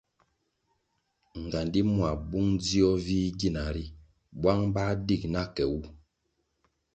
Ngandi mua bung dzio vih gina ri bwang bah dig na ke wu.